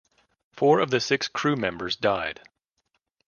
Four of the six crew members died.